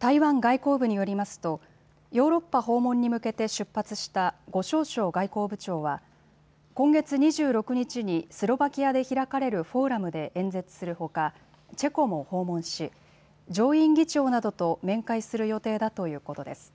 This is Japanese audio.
台湾外交部によりますとヨーロッパ訪問に向けて出発した呉しょう燮外交部長は、今月２６日にスロバキアで開かれるフォーラムで演説するほかチェコも訪問し、上院議長などと面会する予定だということです。